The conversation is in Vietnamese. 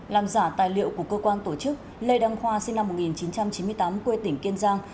làm giả tài liệu của cơ quan tổ chức lê đăng khoa sinh năm một nghìn chín trăm chín mươi tám quê tỉnh kiên giang